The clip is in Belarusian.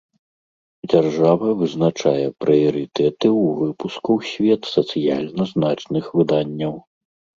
Дзяржава вызначае прыярытэты ў выпуску ў свет сацыяльна значных выданняў.